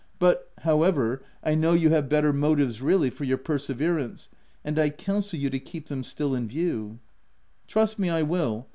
" But however, I know you have bet 222 THE TENANT ter motives, really, for your perseverance : and ] counsel you to keep them still in view." " Trust me, I will.